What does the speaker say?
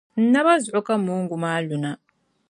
N-naba zuɣu ka moongu maa luna.